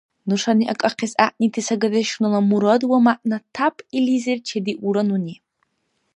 Нушани акӀахъес гӀягӀнити сагадешунала мурад ва мягӀна тяп илизир чедиулра нуни.